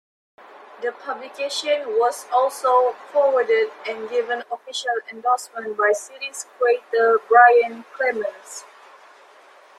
This publication was also foreworded and given official endorsement by series creator Brian Clemens.